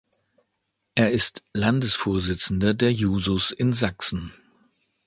Er ist Landesvorsitzender der Jusos in Sachsen.